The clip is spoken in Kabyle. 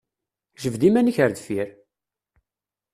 Jbed iman-ik ar deffir!